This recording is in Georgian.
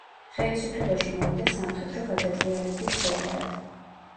ხელისუფლებაში მოვიდა სამხედრო გადატრიალების შედეგად.